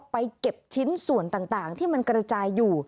ไปเก็บชิ้นส่วนต่างที่มันกระจายอยู่